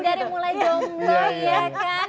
dari mulai jomblo ya kan